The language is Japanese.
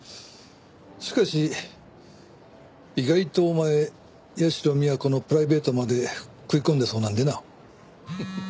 しかし意外とお前社美彌子のプライベートまで食い込んでそうなんでな。